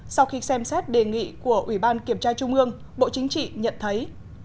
sau khi xem xét đề nghị của ủy ban kiểm tra chung bương bộ chính trị nhận thấy